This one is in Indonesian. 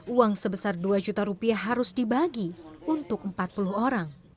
uang sebesar dua juta rupiah harus dibagi untuk empat puluh orang